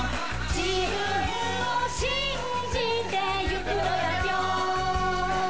自分を信じてゆくのだぴょん！